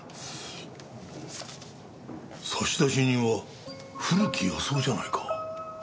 差出人は古木保男じゃないか。